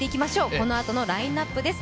このあとのラインナップです。